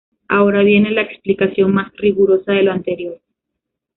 Ahora viene la explicación más rigurosa de lo anterior.